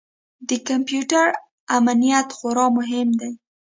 د کمپیوټر امنیت خورا مهم دی.